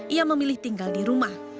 ia memilih tinggal di rumah